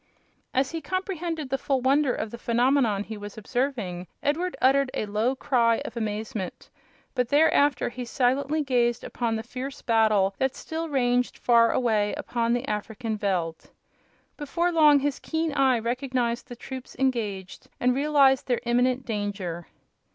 As he comprehended the full wonder of the phenomenon he was observing Edward uttered a low cry of amazement, but thereafter he silently gazed upon the fierce battle that still raged far away upon the African VELD. Before long his keen eye recognized the troops engaged and realized their imminent danger.